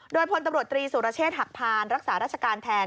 โดยพลตำรวจตรีสุรเชษฐหักพานรักษาราชการแทน